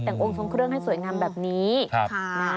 แต่งองค์ทรงเครื่องให้สวยงามแบบนี้นะ